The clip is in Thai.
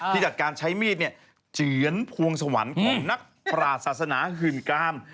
ที่จากการใช้มีดเนี่ยเจือนพวงสวรรค์ของนักประศาสนาฮื่นกาม